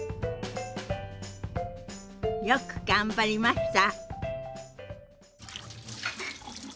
よく頑張りました！